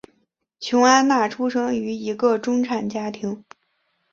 琼安娜出生于一个中产家庭。